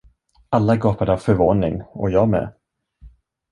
Alla gapade av förvåning och jag med.